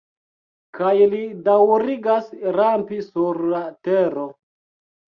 Kaj li daŭrigas rampi sur la tero.